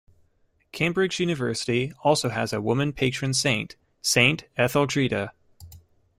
Cambridge University also has a woman patron saint, Saint Etheldreda.